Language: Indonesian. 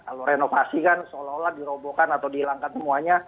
kalau renovasi kan seolah olah dirobohkan atau dihilangkan semuanya